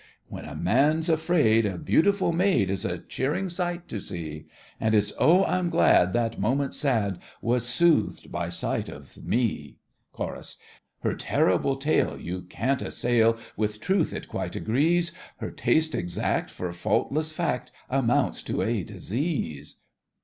When a man's afraid, A beautiful maid Is a cheering sight to see; And it's oh, I'm glad That moment sad Was soothed by sight of me! CHORUS. Her terrible tale You can't assail, With truth it quite agrees: Her taste exact For faultless fact Amounts to a disease.